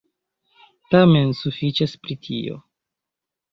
Tamen, sufiĉas pri tio.